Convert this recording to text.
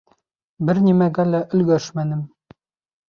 Бер нимәгә лә өлгәшмәнем.